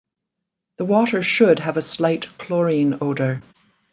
The water should have a slight chlorine odor.